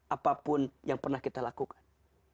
apapun yang pernah kita lakukan